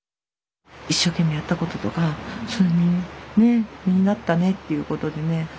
一生懸命やったこととか実になったねっていうことでね。